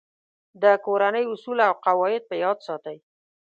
د کورنۍ اصول او قواعد په یاد ساتئ.